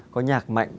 có nhạc mạnh